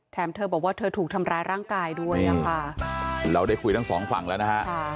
เธอบอกว่าเธอถูกทำร้ายร่างกายด้วยอ่ะค่ะเราได้คุยทั้งสองฝั่งแล้วนะฮะ